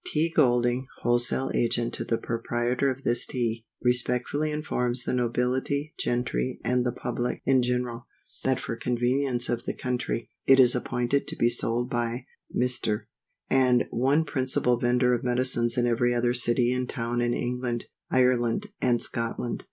T. GOLDING, Wholesale Agent to the Proprietor of this TEA, respectfully informs the Nobility, Gentry, and the Public in general, that for convenience of the Country, it is appointed to be sold by Mr. And by one principal Vender of Medicines in every other City and Town in England, Ireland, and Scotland.